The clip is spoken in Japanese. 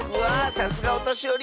さすがおとしより